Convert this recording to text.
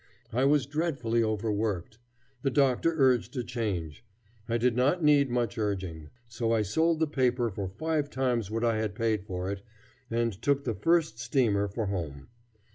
I was dreadfully overworked. The doctor urged a change. I did not need much urging. So I sold the paper for five times what I had paid for it, and took the first steamer for home.